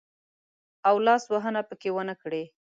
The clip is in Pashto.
او لاس وهنه پکښې ونه کړي.